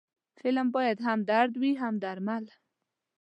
فلم باید هم درد وي، هم درمل